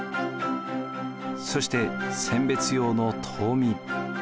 そして選別用の唐箕。